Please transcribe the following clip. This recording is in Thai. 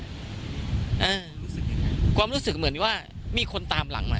อ้าวความรู้สึกเหมือนว่ามีคนตามหลังมา